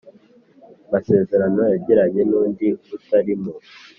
masezerano yagiranye n undi utari mu